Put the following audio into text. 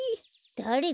だれ？